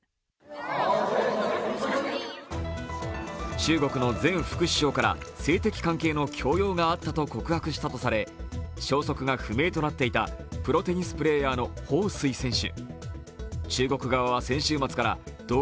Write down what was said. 中国の前副首相から性的関係の強要があったと告白したとされ消息が不明となっていたプロテニスプレイヤーの彭帥選手。